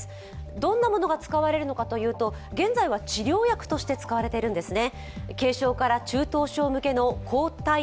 どんなものが使われるのかというと現在は治療薬として使われているんですね。